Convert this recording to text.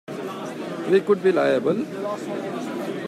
We could be liable.